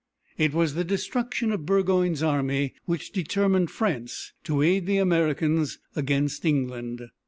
It was the destruction of Burgoyne's army which determined France to aid the Americans against England.